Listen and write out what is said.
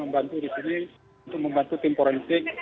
membantu di sini untuk membantu tim forensik